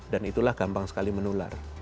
dan itulah gampang sekali menular